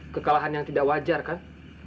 kekalahan yang tidak wajar kan